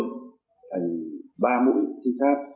thành ba mũi trinh sát